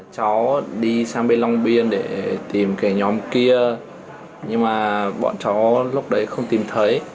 cháu đi sang bên long biên để tìm cái nhóm kia nhưng mà bọn cháu lúc đấy không tìm thấy